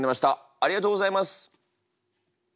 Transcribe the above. ありがとうございます。